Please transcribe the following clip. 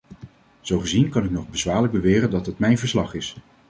Zo gezien kan ik nog bezwaarlijk beweren dat het mijn verslag is.